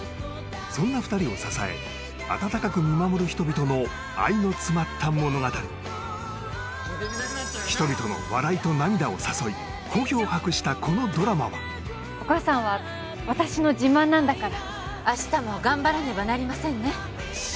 そんな２人を支え温かく見守る人々の愛の詰まった物語人々の笑いと涙を誘い好評を博したこのドラマはお母さんは私の自慢なんだから明日も頑張らねばなりませんね